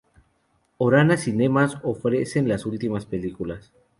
Orana Cinemas ofrecen las últimas películas.